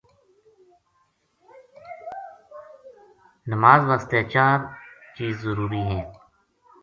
نماز وسطے چار چیز ضروری ہیں۔